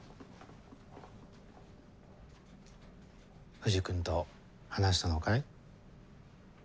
藤君と話したのかい？